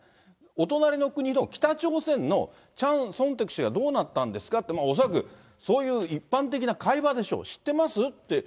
お隣の国の北朝鮮のチャン・ソンテク氏がどうなったんですかって、恐らくそういう一般的な会話でしょう、知ってます？